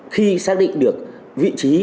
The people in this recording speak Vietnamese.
khi xác định được vị trí